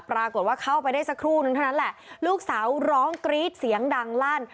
ปรากฏว่าเข้าไปได้สักครู่นึงเท่านั้นแหละลูกสาวร้องกรี๊ดเสียงดังลั่น